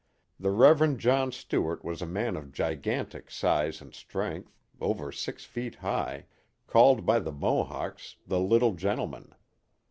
The Rev. John Stuart was a man of gigantic size and strength — over six feet high — called by the Mohawks the little gen tleman."